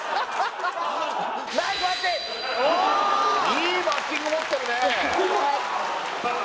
いいバッティング持ってるね